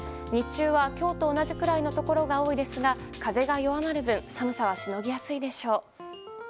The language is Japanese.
日中は今日と同じくらいのところが多いですが風が弱まる分寒さはしのぎやすいでしょう。